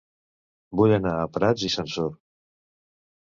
Vull anar a Prats i Sansor